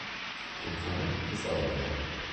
Klingt komisch, ist aber so.